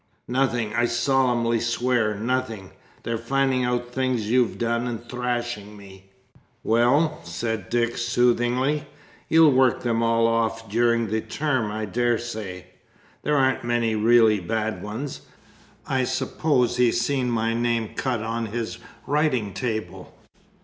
"Nothing. I solemnly swear nothing! They're finding out things you've done, and thrashing me." "Well," said Dick soothingly, "you'll work them all off during the term, I daresay. There aren't many really bad ones. I suppose he's seen my name cut on his writing table?"